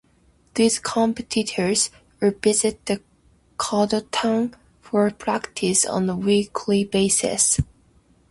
These competitors would visit the Kodokan for practice on a weekly basis.